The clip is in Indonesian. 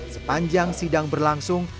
sepanjang sidang berlangsung